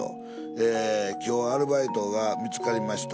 ええ「今日アルバイトが見つかりました。